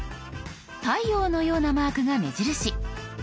太陽のようなマークが目印。